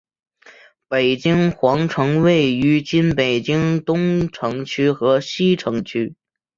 北京皇城位于今北京市东城区和西城区。